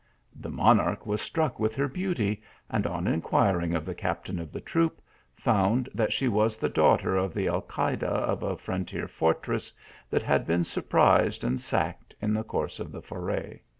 The monarch was struck with her beauty, and on inquiring of the captain of the troop, found that she was the daughter of the alcayde of a frontier for tress that had been surprised and sacked in the course of the foray.